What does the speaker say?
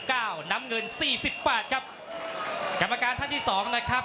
รอคะแนนจากอาจารย์สมาร์ทจันทร์คล้อยสักครู่หนึ่งนะครับ